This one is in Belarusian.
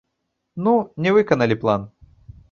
Ну, не выканалі план.